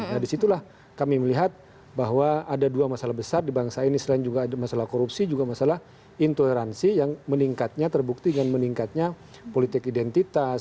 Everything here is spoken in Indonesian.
nah disitulah kami melihat bahwa ada dua masalah besar di bangsa ini selain juga masalah korupsi juga masalah intoleransi yang meningkatnya terbukti dengan meningkatnya politik identitas